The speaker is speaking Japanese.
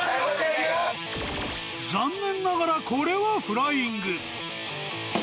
残念ながら、これはフライング。